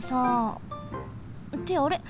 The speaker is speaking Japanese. ってあれ？